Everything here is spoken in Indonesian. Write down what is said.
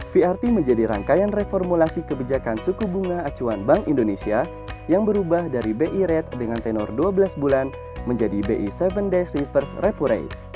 vrt menjadi rangkaian reformulasi kebijakan suku bunga acuan bank indonesia yang berubah dari bi rate dengan tenor dua belas bulan menjadi bi tujuh days reverse repo rate